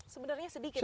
sebenarnya sedikit ya